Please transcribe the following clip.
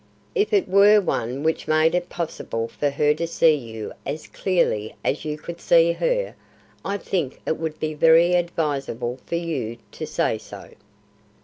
"If it were one which made it possible for her to see you as clearly as you could see her, I think it would be very advisable for you to say so."